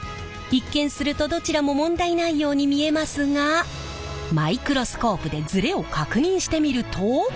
一見するとどちらも問題ないように見えますがマイクロスコープでズレを確認してみると。